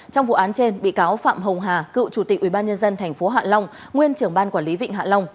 trong vụ án trên bị cáo phạm hồng hà cựu chủ tịch ubnd tp hạ long nguyên trưởng ban quản lý vịnh hạ long